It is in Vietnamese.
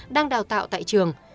đang đào tạo tại trường